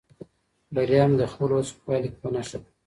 بریا مې د خپلو هڅو په پایله کې په نښه کړه.